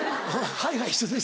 「はいはい一緒です」。